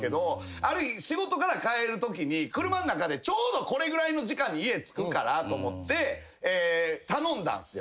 ある日仕事から帰るときに車ん中でちょうどこれぐらいの時間に家着くと思って頼んだんすよ。